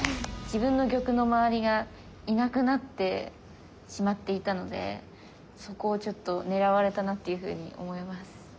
自分の玉の周りがいなくなってしまっていたのでそこをちょっと狙われたなっていうふうに思います。